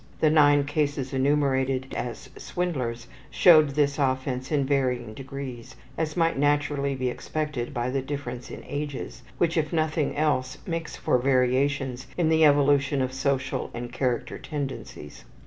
The 9 cases enumerated as swindlers showed this offense in varying degrees, as might naturally be expected by the differences in ages, which, if nothing else, makes for variations in the evolution of social and character tendencies.